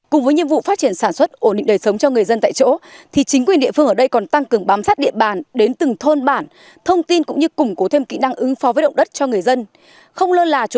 cùng với nhiệm vụ phát triển sản xuất ổn định đời sống cho người dân tại chỗ thì chính quyền địa phương ở đây còn tăng cường bám sát địa bàn đến từng thôn bản thông tin cũng như củng cố thêm kỹ năng ứng phó với động đất cho người dân